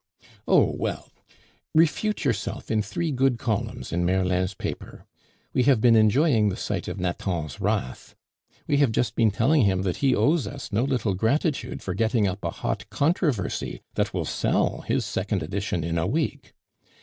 "Oh well, refute yourself in three good columns in Merlin's paper. We have been enjoying the sight of Nathan's wrath; we have just been telling him that he owes us no little gratitude for getting up a hot controversy that will sell his second edition in a week.